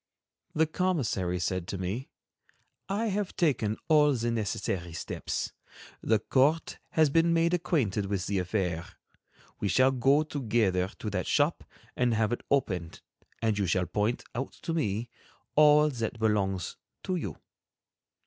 The commissary said to me: "I have taken all the necessary steps. The court has been made acquainted with the affair. We shall go together to that shop and have it opened, and you shall point out to me all that belongs to you."